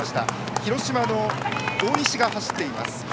広島の大西が走っています。